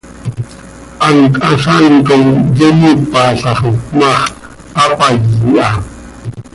Hant hazaain com yomiipala xo cmaax hapaii ha.